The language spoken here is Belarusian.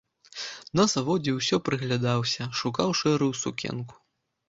На заводзе ўсё прыглядаўся, шукаў шэрую сукенку.